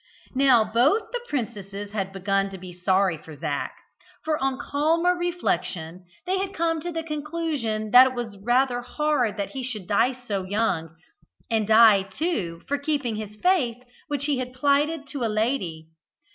Now both the princesses had begun to be sorry for Zac; for on calmer reflection they had come to the conclusion that it was rather hard that he should die so young, and die, too, for keeping his faith which he had plighted to a lady.